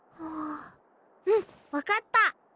うん分かった！